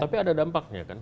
tapi ada dampaknya kan